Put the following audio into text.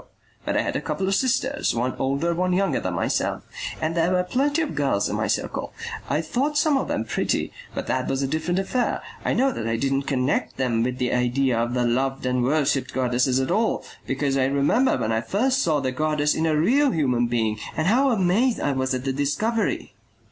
But I had a couple of sisters, one older, one younger than myself, and there were plenty of girls in my circle. I thought some of them pretty but that was a different affair. I know that I didn't connect them with the idea of the loved and worshipped goddesses at all, because I remember when I first saw the goddess in a real human being and how amazed I was at the discovery....